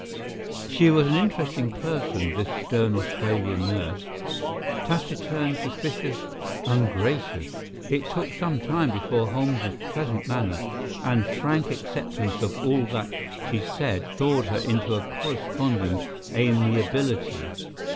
She was an interesting person, this stern Australian nurse—taciturn, suspicious, ungracious, it took some time before Holmes's pleasant manner and frank acceptance of all that she said thawed her into a corresponding amiability.